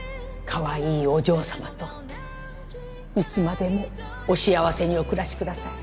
カワイイお嬢さまといつまでもお幸せにお暮らしください。